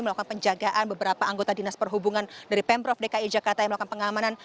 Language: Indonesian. melakukan penjagaan beberapa anggota dinas perhubungan dari pemprov dki jakarta yang melakukan pengamanan